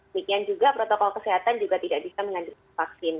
demikian juga protokol kesehatan juga tidak bisa melanjutkan vaksin